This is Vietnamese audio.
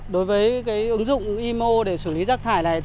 đối với ứng dụng imo để xử lý rác thải này